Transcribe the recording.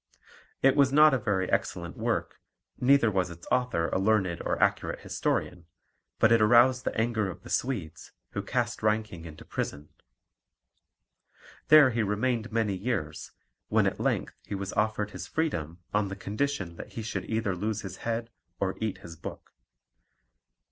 It was not a very excellent work, neither was its author a learned or accurate historian, but it aroused the anger of the Swedes, who cast Reinking into prison. There he remained many years, when at length he was offered his freedom on the condition that he should either lose his head or eat his book.